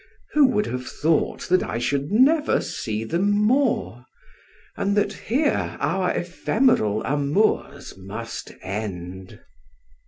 Who would have thought that I should never see them more; and that here our ephemeral amours must end?